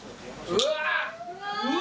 うわ！